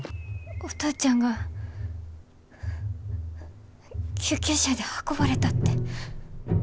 お父ちゃんが救急車で運ばれたって。